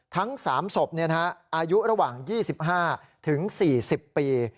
ทั้ง๓ศพเนี่ยนะฮะอายุระหว่าง๒๕ถึง๔๐ปี